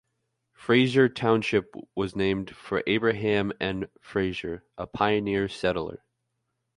Fraser Township was named for Abraham N. Fraser, a pioneer settler.